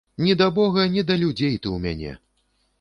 Ні да бога, ні да людзей ты ў мяне!